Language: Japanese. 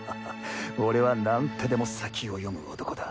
俺は何手でも先を読む男だ。